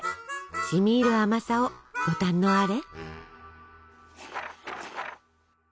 しみいる甘さをご堪能あれ。